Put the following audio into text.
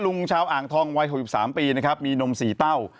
ลุงชาวอ่างทองวัย๖๓ปีนะครับมีนม๔เต้า